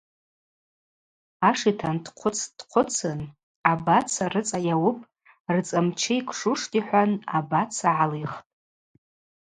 Ашитан дхъвыцтӏ-дхъвыцын – Абаца рыцӏа йауыпӏ, рыцӏа мчы йкшуштӏ, – йхӏван абаца гӏалихтӏ.